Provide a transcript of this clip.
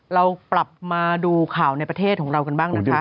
เรากลับมาดูข่าวในประเทศของเรากันบ้างนะคะ